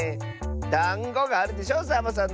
「だんご」があるでしょサボさんのほう！